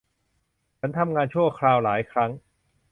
ฉันทำงานชั่วคราวหลายครั้ง